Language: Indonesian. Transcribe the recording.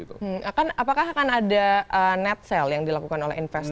apakah akan ada net sale yang dilakukan oleh investor